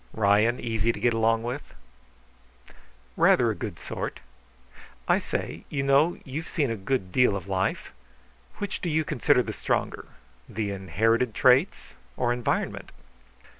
"Ryan easy to get along with?" "Rather a good sort. I say, you know, you've seen a good deal of life. Which do you consider the stronger, the inherited traits or environment?"